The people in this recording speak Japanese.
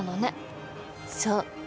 そう。